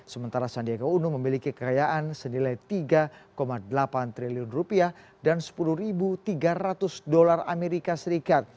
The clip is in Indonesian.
sementara sandiaga uno memiliki kekayaan senilai tiga delapan triliun rupiah dan sepuluh tiga ratus dolar amerika serikat